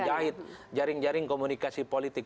jahit jaring jaring komunikasi politik